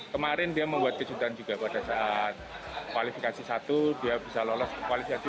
kemarin dia membuat kejutan juga pada saat kualifikasi satu dia bisa lolos ke kualifikasi satu